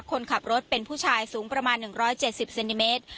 คนขับรถเป็นผู้ชายสูงประมาณ๑๗๐เซนติเมตร